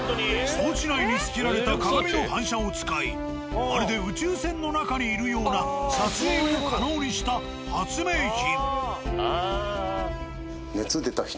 装置内に付けられた鏡の反射を使いまるで宇宙船の中にいるような撮影を可能にした発明品。